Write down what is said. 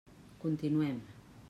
Continuem.